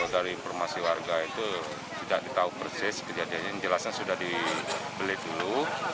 dari informasi warga itu tidak ditahu persis kejadian yang jelasnya sudah dibeli dulu